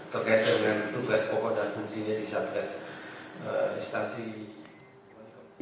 terkait dengan tugas pokok dan fungsinya di satgas instansi